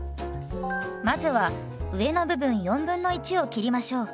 まずは上の部分1/4を切りましょう。